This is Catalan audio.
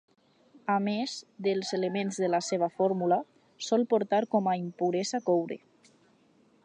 A més dels elements de la seva fórmula, sol portar com a impuresa coure.